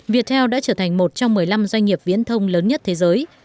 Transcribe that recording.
việt theo đã trở thành một trong một mươi năm doanh nghiệp viễn thông lớn nhất thế giới